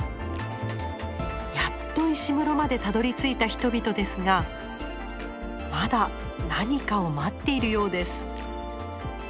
やっと石室までたどりついた人々ですがまだ何かを待っているようです。